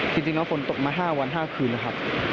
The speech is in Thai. จริงแล้วฝนตกมา๕วัน๕คืนนะครับ